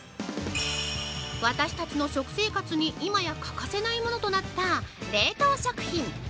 私たちの食生活に今や欠かせないものとなった冷凍食品！